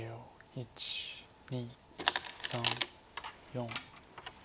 １２３４。